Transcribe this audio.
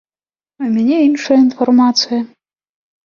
У мяне іншая інфармацыя.